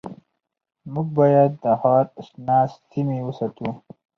موږ باید د ښار شنه سیمې وساتو